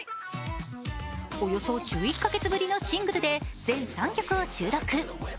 およそ１１か月ぶりのシングルで全３曲を収録。